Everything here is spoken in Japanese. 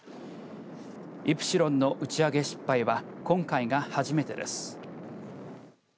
イプシロンの打ち上げ失敗は今回が初めてです。